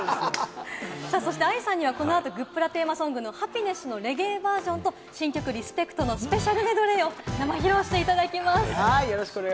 ＡＩさんにはこの後、グップラテーマソングの『ハピネス』と『リスペクト』のスペシャルメドレーを披露していただきます。